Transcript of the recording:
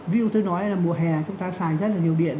ví dụ tôi nói là mùa hè chúng ta xài rất là nhiều điện